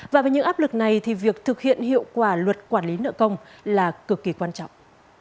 và với những áp lực này thì việc thực hiện hiệu quả luật quản lý nợ công là cực kỳ quan trọng